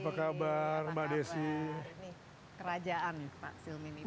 apa kabar ini kerajaan pak silmi ini